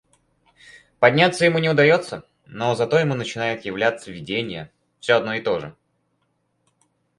Подняться ему не удаётся, но зато ему начинает являться видение, всё одно и тоже.